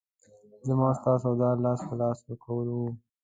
زما او ستا سودا لاس په لاس ورکول وو.